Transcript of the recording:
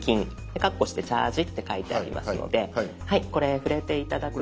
カッコして「チャージ」って書いてありますのでこれ触れて頂くと。